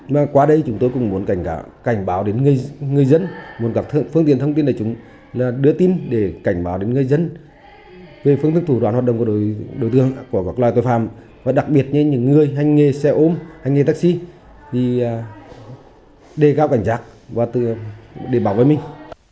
và qua đây chúng tôi cũng muốn cảnh báo đến người dân muốn gặp phương tiện thông tin là chúng đưa tin để cảnh báo đến người dân về phương thức thủ đoàn hoạt động của đối tương của các loài tội phạm và đặc biệt như những người hành nghề xe ôm hành nghề taxi thì đề cao cảnh giác để bảo vệ mình